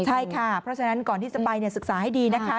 ใช่ค่ะเพราะฉะนั้นก่อนที่จะไปศึกษาให้ดีนะคะ